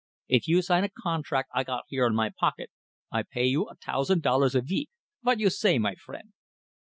If you sign a contract I got here in my pocket, I pay you a tousand dollars a veek. Vot you say, my friend?"